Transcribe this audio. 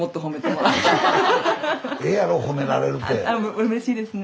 うれしいですね。